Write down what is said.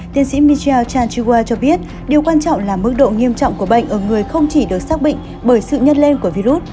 tiến sĩ michel chanchua cho biết điều quan trọng là mức độ nghiêm trọng của bệnh ở người không chỉ được xác bệnh bởi sự nhấn lên của virus